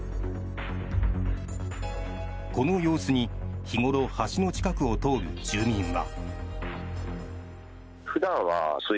この様子に日頃、橋の近くを通る住民は。